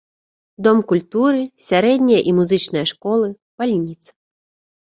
Дом культуры, сярэдняя і музычная школы, бальніца.